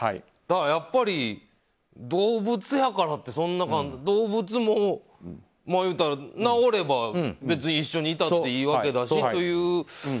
だからやっぱり、動物やからって動物も言うたら治れば一緒にいたっていいわけだしという。